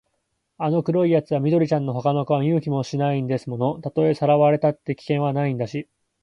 あの黒いやつは緑ちゃんのほかの子は見向きもしないんですもの。たとえさらわれたって、危険はないんだし、